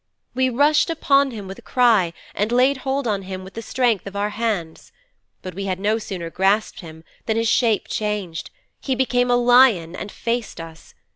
'We rushed upon him with a cry and laid hold on him with all the strength of our hands. But we had no sooner grasped him than his shape changed. He became a lion and faced us.